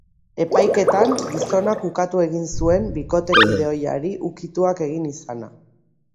Epaiketan, gizonak ukatu egin zuen bikotekide ohiari ukituak egin izana.